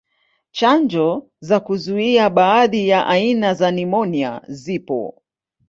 Chanjo za kuzuia baadhi ya aina za nimonia zipo.